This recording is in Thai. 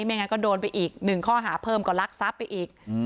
อย่างนั้นก็โดนไปอีกหนึ่งข้อหาเพิ่มก็ลักทรัพย์ไปอีก